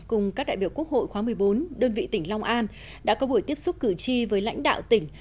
cùng các đại biểu quốc hội khóa một mươi bốn đơn vị tỉnh long an đã có buổi tiếp xúc cử tri với lãnh đạo tỉnh